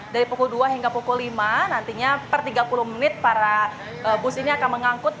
dari pukul dua hingga pukul lima nantinya per tiga puluh menit para bus ini akan mengangkut